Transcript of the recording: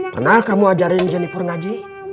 pernah kamu ajarin jenipur ngaji